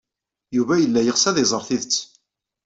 Yuba yella yeɣs ad iẓer tidet.